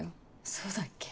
そうだっけ？